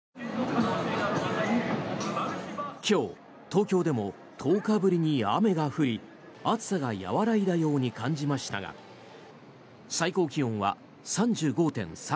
今日、東京でも１０日ぶりに雨が降り暑さが和らいだように感じましたが最高気温は３５．３度。